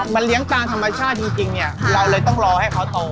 มันเลี้ยงตามธรรมชาติจริงเนี่ยเราเลยต้องรอให้เขาโต